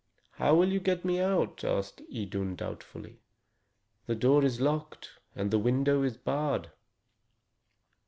"How will you get me out?" asked Idun doubtfully. "The door is locked, and the window is barred."